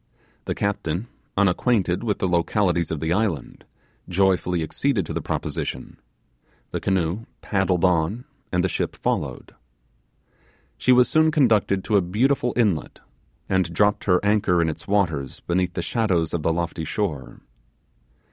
The captain, unacquainted with the localities of the island, joyfully acceded to the proposition the canoe paddled on, the ship followed. She was soon conducted to a beautiful inlet, and dropped her anchor in its waters beneath the shadows of the lofty shore.